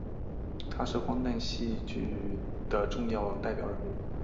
他是荒诞派戏剧的重要代表人物。